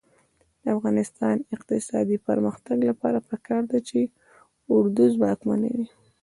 د افغانستان د اقتصادي پرمختګ لپاره پکار ده چې اردو ځواکمنه وي.